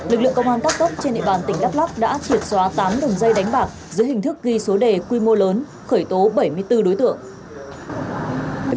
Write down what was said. lực lượng công an tắt tốc trên địa bàn tỉnh đắp lắp đã triệt xóa tám đường dây đánh bạc dưới hình thức ghi số đề quy mô lớn khởi tố bảy mươi bốn đối tượng